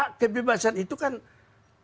bisa juga dibatasi kalau melihat bahwa